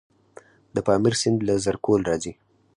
د پامیر سیند له زرکول راځي